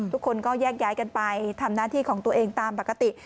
ทุกคนก็แยกย้ายกันไปทำหน้าที่ของตัวเองตามปกติ